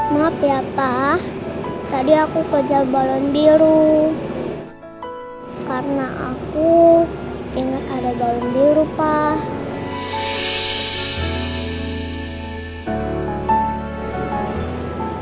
maaf ya pak tadi aku kejar balon biru karena aku ingat ada daun biru pak